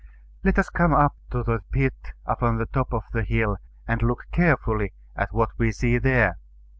Let us come up to the pit upon the top of the hill, and look carefully at what we see there.